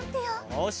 よし。